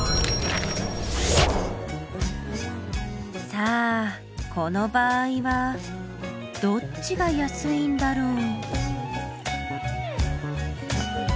さあこの場合はどっちが安いんだろう？